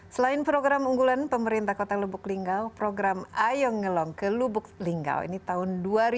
selain program unggulan pemerintah kota lubuk linggau program ayo ngelong ke lubuk linggau ini tahun dua ribu dua puluh